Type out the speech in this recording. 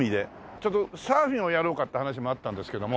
ちょっとサーフィンをやろうかって話もあったんですけども。